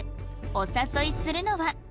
お誘いするのは？